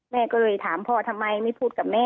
แม่ก็เลยถามพ่อทำไมไม่พูดกับแม่